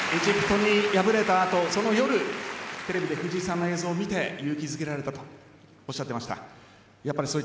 エジプトに敗れた夜テレビで藤井さんの映像を見て勇気づけられたとおっしゃっていました。